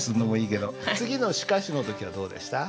次の「しかし」の時はどうでした？